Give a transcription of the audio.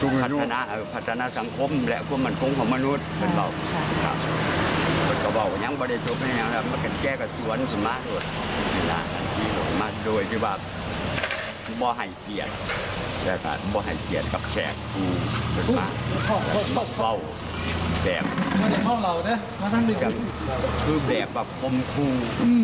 มไห่เกียรติกับแชร์ครูเป็นแบบเบาแบบคือแบบแบบคมครู